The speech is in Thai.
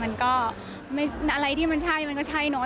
มันก็อะไรที่มันใช่มันก็ใช่เนาะ